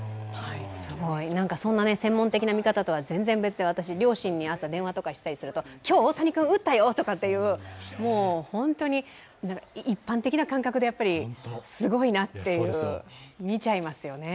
そんな専門的な見方とは別に私、両親に朝電話をしたりすると、今日大谷君打ったよ！とかっていう一般的な感覚ですごいなっていう見ちゃいますよね。